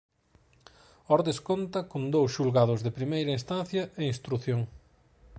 Ordes conta con dous Xulgados de Primeira Instancia e Instrución.